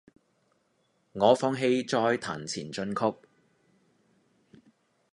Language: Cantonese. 我放棄再彈前進曲